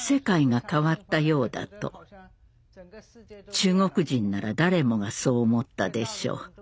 中国人なら誰もがそう思ったでしょう。